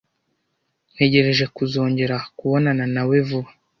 Ntegereje kuzongera kubonana nawe vuba.